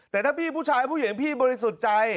แต่ถ้าพี่ผู้ชายผู้หญิงพี่บริสุทธิ์ใจ